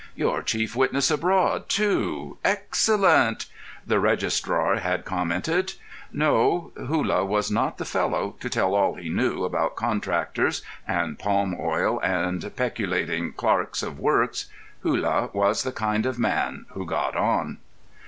"Your chief witness abroad, too; excellent!" the registrar had commented.... No; Hullah was not the fellow to tell all he knew about contractors and palm oil and peculating clerks of works. Hullah was the kind of man who got on.